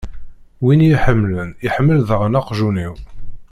Win i y-iḥemmlen, iḥemmel daɣen aqjun-iw.